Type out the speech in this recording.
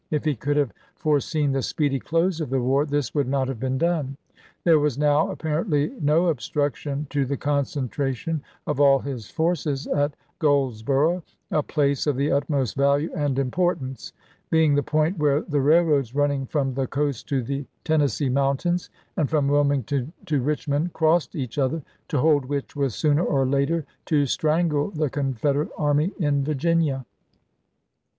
If he could have fore seen the speedy close of the war this would not have been done. There was now apparently no obstruction to the concentration of all his forces at Goldsboro', a place of the utmost value and impor tance ; being the point where the railroads running from the coast to the Tennessee mountains, and from Wilmington to Richmond, crossed each other — to hold which was sooner or later to strangle the Confederate army in Virginia.